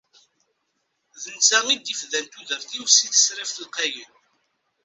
D netta i d-ifdan tudert-iw si tesraft lqayen.